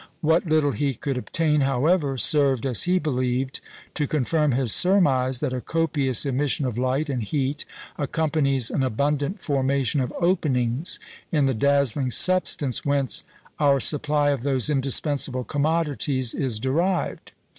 What little he could obtain, however, served, as he believed, to confirm his surmise that a copious emission of light and heat accompanies an abundant formation of "openings" in the dazzling substance whence our supply of those indispensable commodities is derived.